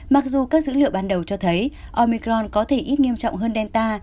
mặc dù các dữ liệu ban đầu cho thấy omicron có thể ít nghiêm trọng hơn delta